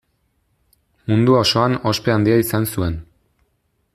Mundu osoan ospe handia izan zuen.